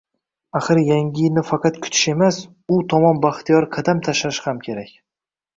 Axir Yangi yilni faqat kutish emas, u tomon baxtiyor qadam tashlash ham kerak